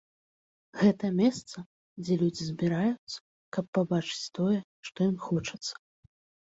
Гэта месца, дзе людзі збіраюцца, каб пабачыць тое, што ім хочацца.